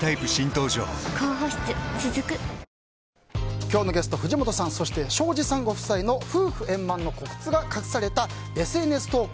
今日のゲスト、藤本さんそして庄司さんご夫妻の夫婦円満のコツが隠された、ＳＮＳ投稿。